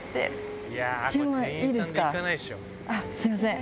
すいません。